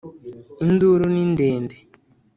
Induru ni ndende!